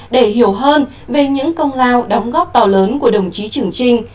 để hiểu hơn về những công lao đóng góp to lớn của đồng chí trường trinh